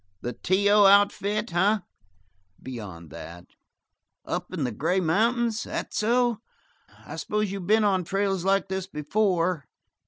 "The T O outfit, eh?" "Beyond that." "Up in the Gray Mountains? That so! I s'pose you been on trails like this before?"